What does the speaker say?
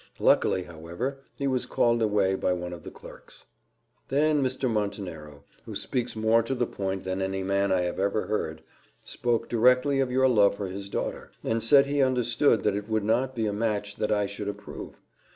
Luckily, however, he was called away by one of the clerks. "Then Mr. Montenero, who speaks more to the point than any man I ever heard, spoke directly of your love for his daughter, and said he understood that it would not be a match that I should approve.